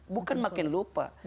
bukan makin lupa